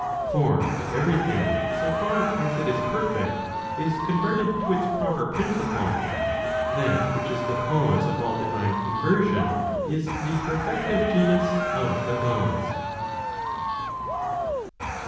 For if every thing so far as it is perfect, is converted to its proper principle, that which is the cause of all divine conversion, is the perfective genus of the Gods.